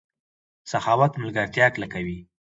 سخاوت ملګرتیا کلکوي.